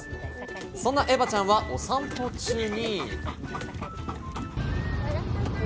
そんなエヴァちゃんはお散歩中に。